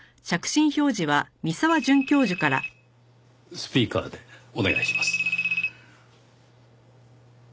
スピーカーでお願いします。